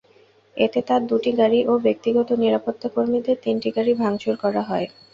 এতে তাঁর দুটি গাড়ি ও ব্যক্তিগত নিরাপত্তাকর্মীদের তিনটি গাড়ি ভাঙচুর করা হয়।